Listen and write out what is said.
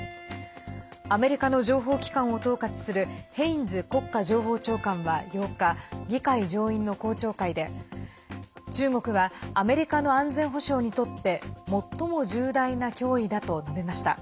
アメリカの情報機関を統括するヘインズ国家情報長官は８日議会上院の公聴会で、中国はアメリカの安全保障にとって最も重大な脅威だと述べました。